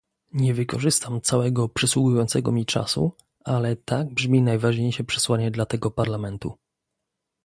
Nie wykorzystam całego przysługującego mi czasu, ale tak brzmi najważniejsze przesłanie dla tego Parlamentu